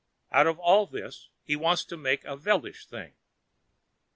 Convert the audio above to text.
Out of all this, he wants to make a Veldish thing."